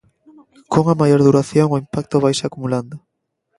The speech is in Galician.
"Cunha maior duración, o impacto vaise acumulando".